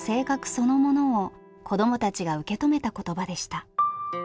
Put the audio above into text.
そのものを子どもたちが受け止めた言葉でした。